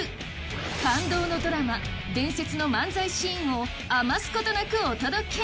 感動のドラマ、伝説の漫才シーンを余すことなくお届け。